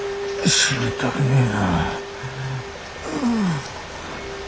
死にたくねぇぞ。